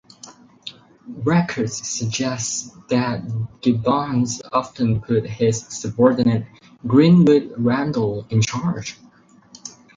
Records suggest that Gibbons often put his subordinate Greenwood Randall in charge.